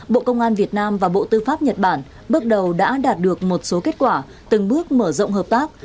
bộ công an việt nam và bộ tư pháp nhật bản bước đầu đã đạt được một số kết quả từng bước mở rộng hợp tác